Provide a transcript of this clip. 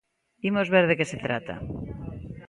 Imos ver de que se trata.